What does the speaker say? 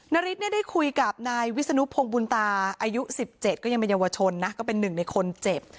นาริสเนี่ยได้คุยกับนายวิศนุพงบุญตาอายุ๑๗ก็ยังเป็นเยาวชนนะก็เป็นหนึ่งในคนเจ็บ